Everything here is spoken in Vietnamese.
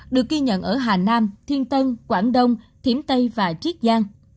được ghi nhận ở hà nam thiên tân quảng đông thiểm tây và triết giang